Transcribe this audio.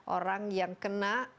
orang yang kena